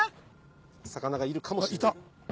魚がいるかもしれない。